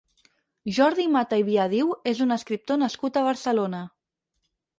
Jordi Mata i Viadiu és un escriptor nascut a Barcelona.